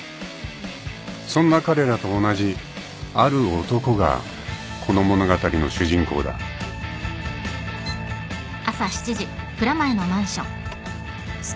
［そんな彼らと同じある男がこの物語の主人公だ］ん？